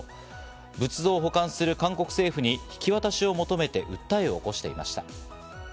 仏像を保管する韓国政府に引き渡しを求めて訴えを起こしていました。